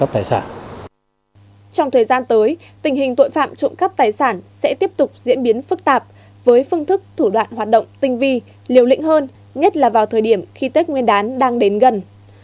trong thời gian tới tình hình tội phạm trộm cắp tài sản sẽ tiếp tục diễn biến phức tạp với phương thức thủ đoạn hoạt động tinh vi liều lĩnh hơn nhất là vào thời điểm khi tết nguyên đán đang đến gần